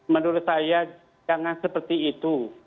menurut saya jangan seperti itu